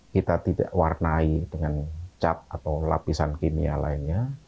kita tidak warnai dengan cat atau lapisan kimia lainnya